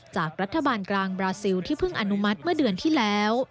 จากรัฐบาลกลางบราซิลที่เพิ่งอนุมัติเมื่อเดือนที่แล้ว